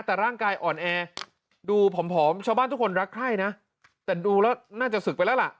แต่ร่างกายอ่อนแอดูผอมชาวบ้านทุกคนรักใคร่นะแต่ดูแล้วน่าจะศึกไปแล้วล่ะ